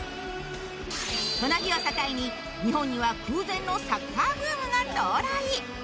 この日を境に日本には空前のサッカーブームが到来。